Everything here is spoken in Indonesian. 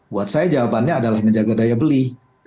buat saya jawabannya adalah menjaga daya beli